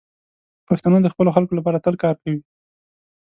پښتانه د خپلو خلکو لپاره تل کار کوي.